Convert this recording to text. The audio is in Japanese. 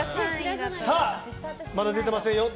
まだ出てませんよ。